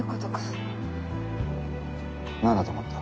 何だと思った？